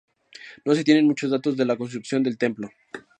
No se tienen muchos datos de la construcción del templo.